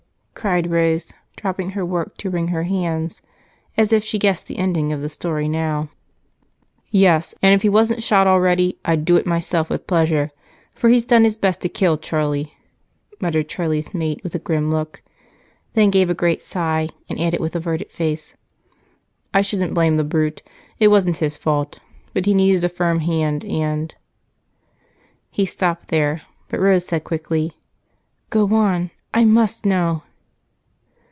cried Rose, dropping her work to wring her hands, as if she guessed the ending of the story now. "Yes, and if he wasn't shot already I'd do it myself with pleasure, for he's done his best to kill Charlie," muttered Charlie's mate with a grim look, then gave a great sigh and added with averted face, "I shouldn't blame the brute, it wasn't his fault. He needed a firm hand and " He stopped there, but Rose said quickly: "Go on. I must know."